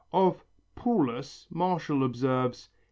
Of "Paullus" Martial, observes